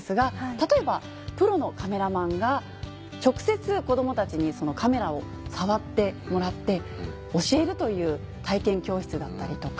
例えばプロのカメラマンが直接子どもたちにカメラを触ってもらって教えるという体験教室だったりとか。